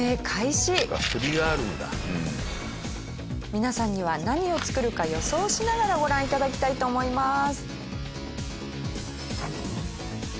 皆さんには何を作るか予想しながらご覧いただきたいと思います。